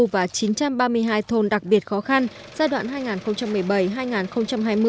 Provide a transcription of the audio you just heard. và chín trăm ba mươi hai thôn đặc biệt khó khăn giai đoạn hai nghìn một mươi bảy hai nghìn hai mươi